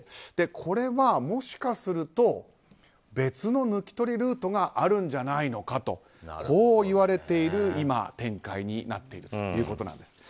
これは、もしかすると別の抜き取りルートがあるんじゃないのかとこういわれている今、展開になっているということなんです。